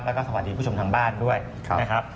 แล้วก็สวัสดีผู้ชมทางบ้านด้วยนะครับ